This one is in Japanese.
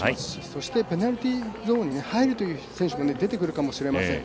そして、ペナルティーゾーンに入るという選手も出てくるかもしれません。